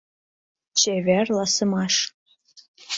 ЧЕВЕРЛАСЫМАШ